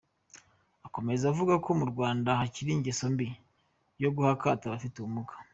Akomeza avuga ko mu Rwanda hakiri ingeso mbi yo guha akato abafite ubumuga.